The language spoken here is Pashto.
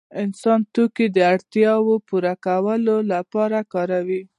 انسان توکي د اړتیاوو پوره کولو لپاره کاروي.